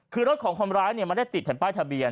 คือรถของคนร้ายไม่ได้ติดแผ่นป้ายทะเบียน